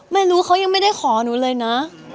ไม่รู้เขายังไม่ได้ขอหนูเลยนะ